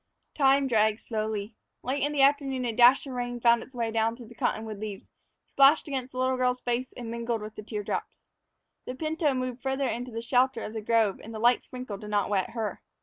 Time dragged slowly. Late in the afternoon a dash of rain found its way down through the cottonwood leaves, splashed against the little girl's face, and mingled with the tear drops. The pinto moved farther into the shelter of the grove and the light sprinkle did not wet her.